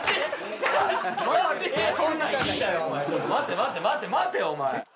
お前それ待て待て待て待てお前！